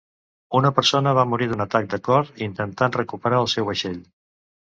Una persona va morir d'un atac de cor intentant recuperar el seu vaixell.